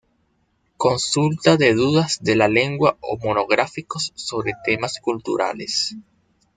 Consulta de dudas de la lengua o monográficos sobre temas culturales.